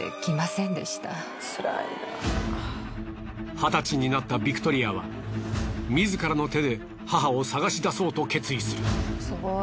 二十歳になったビクトリアは自らの手で母を捜し出そうと決意する。